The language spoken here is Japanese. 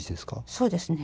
そうですね。